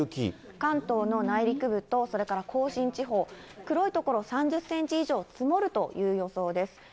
関東の内陸部と、それから甲信地方、黒い所、３０センチ以上積もるという予想です。